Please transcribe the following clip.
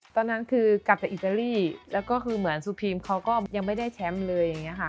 ตอนนั้นคือกลับจากอิตาลีแล้วก็คือเหมือนสุพีมเขาก็ยังไม่ได้แชมป์เลยอย่างนี้ค่ะ